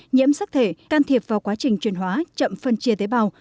nhiễm sắc thể can thiệp vào quá trình truyền hóa chậm phân chia tế bào